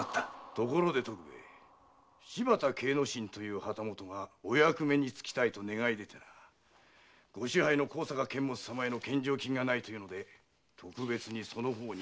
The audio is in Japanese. ところで徳兵衛柴田計之進という旗本がお役目につきたいと願い出てなご支配の高坂監物様への献上金がないと言うので特別にその方に頼んでやると申した。